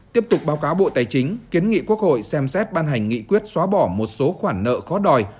tiếp tục báo cáo bộ tài chính kiến nghị quốc hội xem xét ban hành nghị quyết xóa bỏ một số khoản nợ khó đòi